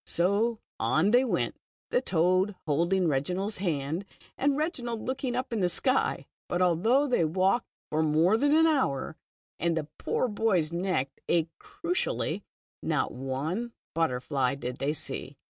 So on they went, the toad holding Reginald's hand, and Reginald looking up into the sky. But although they walked for more than an hour, and the poor boy's neck ached cruelly, //o/ one butterfly did they see.